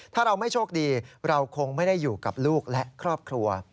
ถ้าเราไม่โชคดีเราคงไม่ได้อยู่กับลูกและครอบครัว